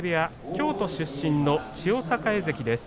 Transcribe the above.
京都出身の千代栄関です。